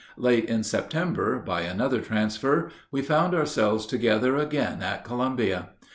Late in September, by another transfer, we found ourselves together again at Columbia.